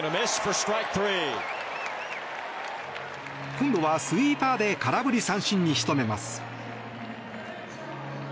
今度はスイーパーで空振り三振に仕留めます。